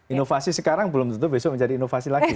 inovasi sekarang belum tentu besok menjadi inovasi lagi